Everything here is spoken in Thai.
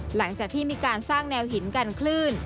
หลังจากที่มีการสร้างแนวหินกันคลื่น